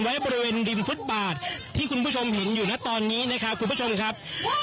ไว้บริเวณริมฟุตบาทที่คุณผู้ชมเห็นอยู่นะตอนนี้นะครับคุณผู้ชมครับ